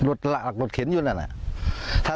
รถหลักรถเข็นอยู่นั่นนะ